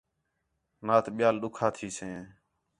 نات ٻِیال ݙُکّھا تھیسیں